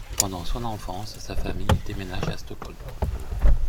Pendant son enfance, sa famile déménage à Stockholm.